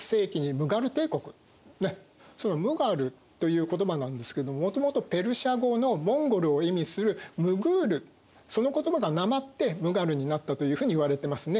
その「ムガル」という言葉なんですけどもともとペルシャ語の「モンゴル」を意味する「ムグール」その言葉がなまってムガルになったというふうにいわれてますね。